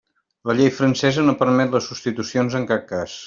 La llei francesa no permet les substitucions en cap cas.